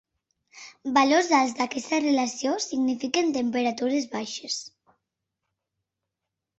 Valors alts d'aquesta relació signifiquen temperatures baixes.